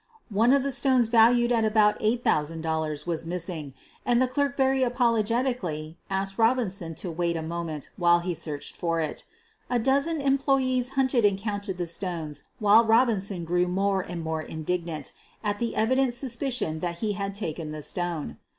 One of the stones valued at about $8,000 was miss ing, and the clerk very apologetically asked Robin son to wait a moment while he searched for it. A dozen employees hunted and counted the stones while Robinson grew more and more indignant at the evident suspicion that he had taken the stone.